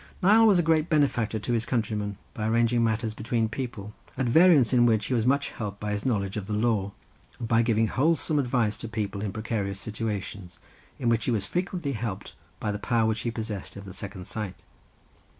Nial was a great benefactor to his countrymen, by arranging matters between people at variance, in which he was much helped by his knowledge of the law, and by giving wholesome advice to people in precarious situations, in which he was frequently helped by the power which he possessed of the second sight.